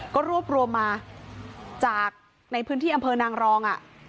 ก็รวบรวมมาจากในพื้นที่อำเภอนางรอง